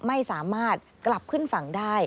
ไม่สามารถกลับขึ้นฝั่งได้